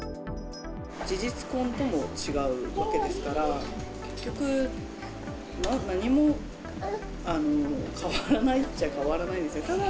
事実婚とも違うわけですから、結局、何も変わらないっちゃ変わらないんですね。